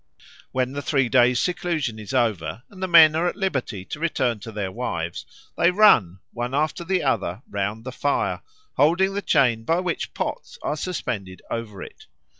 When the three days' seclusion is over and the men are at liberty to return to their wives, they run, one after the other, round the fire, holding the chain by which pots are suspended over it.